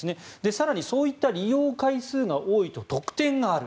更にそういった利用回数が多いと特典がある。